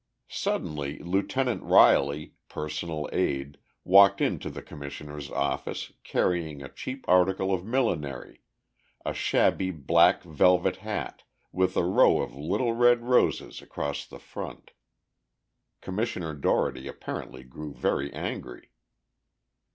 Suddenly Lieutenant Riley, personal aide, walked into the Commissioner's office carrying a cheap article of millinery—a shabby black velvet hat with a row of little red roses across the front. Commissioner Dougherty apparently grew very angry.